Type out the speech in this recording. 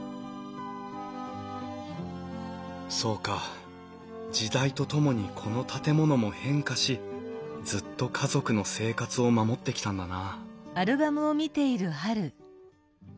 そうか時代とともにこの建物も変化しずっと家族の生活を守ってきたんだな